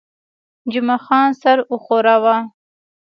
جمعه خان سر وښوراوه.